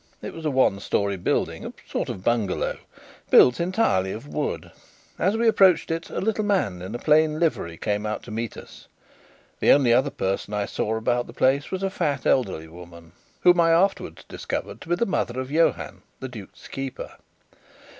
It was a one storey building, a sort of bungalow, built entirely of wood. As we approached it, a little man in a plain livery came out to meet us. The only other person I saw about the place was a fat elderly woman, whom I afterwards discovered to be the mother of Johann, the duke's keeper.